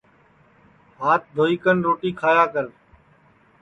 ہات دھوئی کن روٹی کھایا کر